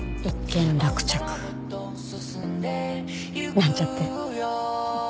なんちゃって。